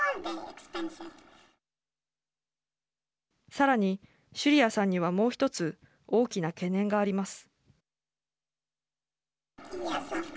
さらに、シュリアさんにはもう１つ大きな懸念があります。